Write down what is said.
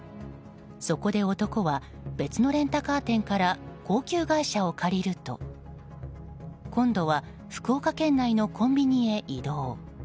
そこで男は別のレンタカー店から高級外車を借りると今度は福岡県内のコンビニへ移動。